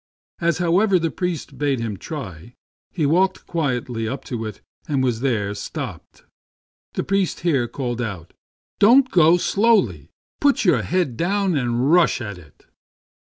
As, however, the priest bade him try, he walked quietly up to it and was there stopped. The priest here called out, " Don't go so slowly. Put your head down and rush at it."